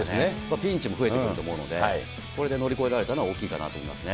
ピンチも増えてくると思うので、これで乗り越えられたのは大きいかなと思いますね。